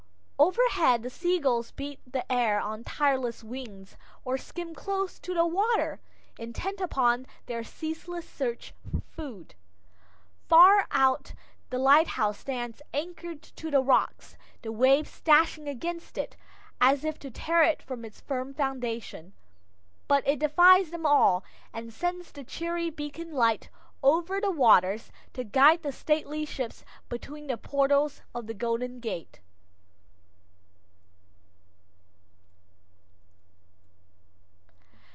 Overhead the sea gulls beat the air on tireless wings, or skim close to the water, intent upon their ceaseless search for food. Far out the lighthouse stands anchored to the rocks, the waves dashing against it, as if to tear it from its firm foundation. But it defies them all, and sends the cheery beacon light over the waters, to guide the stately ships between the portals of the Golden Gate.